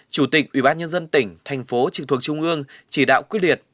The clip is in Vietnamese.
chủ tịch ủy ban nhân dân tỉnh thành phố trực thuộc trung ương chỉ đạo quyết liệt